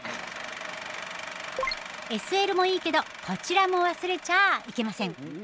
ＳＬもいいけどこちらも忘れちゃあいけません。